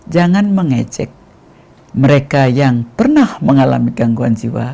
jangan mengecek mereka yang pernah mengalami gangguan jiwa